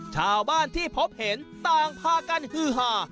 ชาวบ้านที่พบเห็นต่างพากันฮือหา